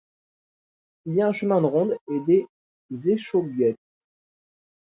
Il y a un chemin de ronde et des échauguettes.